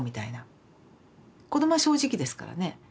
子どもは正直ですからね。